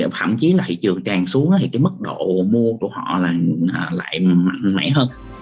thậm chí là thị trường tràn xuống thì cái mức độ mua của họ là lại mạnh mẽ hơn